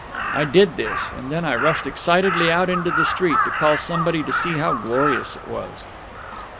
I did this; and then I rushed excitedly out into the street, to call somebody to see how glorious it was....